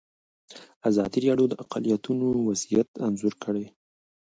ازادي راډیو د اقلیتونه وضعیت انځور کړی.